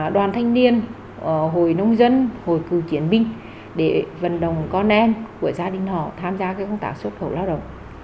đoàn thanh niên hội nông dân hội cựu chiến binh để vận động con em của gia đình họ tham gia công tác xuất khẩu lao động